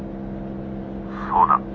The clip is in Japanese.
「そうだ」。